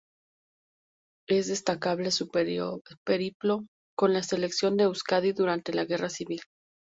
Es destacable su periplo con la Selección de Euzkadi durante la Guerra Civil.